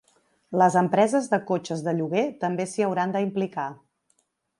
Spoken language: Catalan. Les empreses de cotxes de lloguer també s’hi hauran d’implicar.